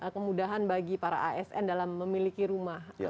kemudahan bagi para asn dalam memiliki rumah